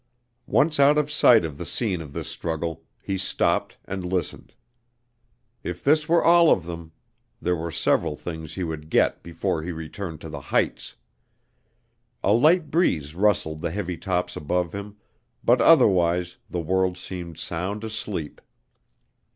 Once out of sight of the scene of this struggle, he stopped and listened. If this were all of them, there were several things he would get before he returned to the heights. A light breeze rustled the heavy tops above him, but otherwise the world seemed sound asleep.